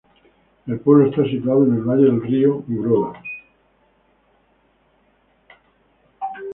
El pueblo está situado en el valle del río Urola.